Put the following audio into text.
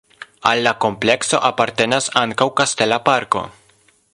Al la komplekso apartenas ankaŭ kastela parko.